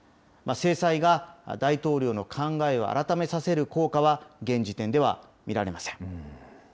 制裁が大統領の考えを改めさせる効果は、現時点では見られません。